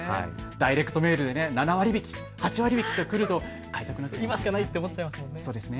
ダイレクトメールで７割引き、８割引きと来ると買いたくなっちゃいますね。